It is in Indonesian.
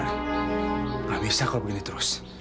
nggak bisa kalau begini terus